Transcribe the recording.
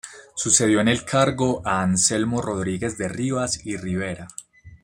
Sucedió en el cargo a Anselmo Rodríguez de Rivas y Rivera.